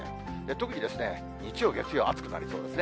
特に日曜、月曜、暑くなりそうですね。